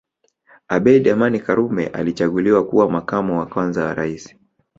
Abeid Amani Karume alichaguliwa kuwa Makamo wa kwanza wa Rais